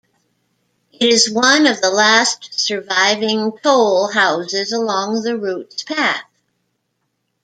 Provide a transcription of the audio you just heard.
It is one of the last surviving toll houses along the route's path.